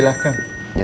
udah gue tolong noda